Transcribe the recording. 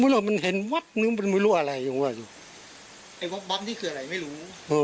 ไม่รู้มันเห็นวัดนึงมันไม่รู้อะไรอยู่ไว้ไอ้วับวับนี้คืออะไรไม่รู้